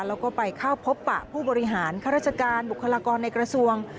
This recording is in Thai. แล้วก็ไปเข้าพบปะผู้บริหารข้าราชการบุคลากรในกระทรวง